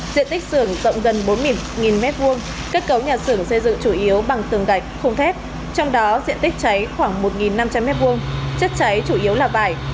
diện tích xưởng rộng gần bốn mươi m hai kết cấu nhà xưởng xây dựng chủ yếu bằng tường gạch khung thép trong đó diện tích cháy khoảng một năm trăm linh m hai chất cháy chủ yếu là vải